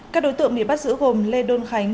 các đối tượng bị bắt giữ gồm lê đôn khánh